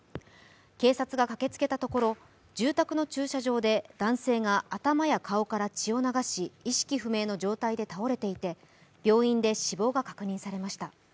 警察が駆けつけたところ住宅の駐車場で男性が頭や顔から血を流し意識不明の状態で倒れていて、病院で死亡が確認されました。